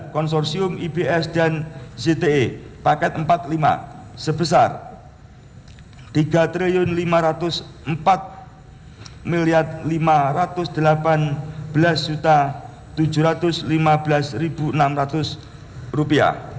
konsorsium ibs dan cte paket rp empat puluh lima sebesar rp tiga lima ratus empat lima ratus delapan belas tujuh ratus lima belas enam ratus